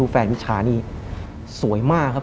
แฟนมิชชานี่สวยมากครับ